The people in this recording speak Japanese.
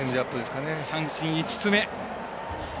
三振、５つ目。